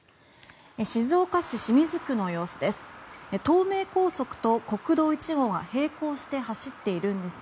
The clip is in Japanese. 静岡市清水区の様子です。